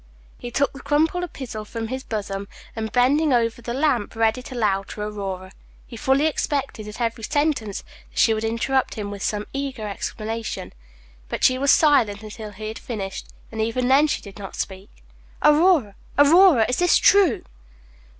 He took the crumpled epistle from his bosom, and, bending over the lamp, read it aloud to Aurora. He fully expected at every sentence that she would interrupt him with some eager explanation; but she was silent until he had finished, and even then she did not speak. "Aurora, Aurora, is this true?"